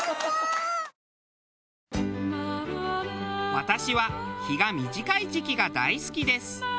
私は日が短い時期が大好きです。